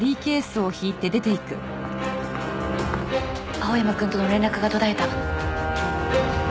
青山くんとの連絡が途絶えた。